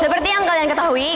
seperti yang kalian ketahui